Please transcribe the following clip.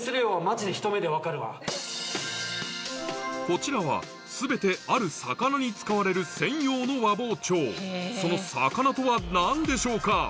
こちらは全てある魚に使われる専用の和包丁その魚とは何でしょうか？